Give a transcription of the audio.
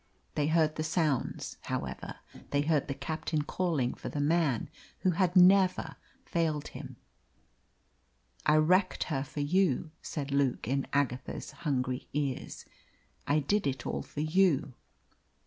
They heard the sounds, however; they heard the captain calling for the man who had never failed him. "I wrecked her for you," said Luke, in Agatha's hungry ears. "I did it all for you."